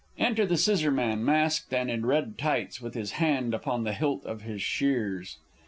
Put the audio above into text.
[Enter the Scissorman, _masked and in red tights, with his hand upon the hilt of his shears.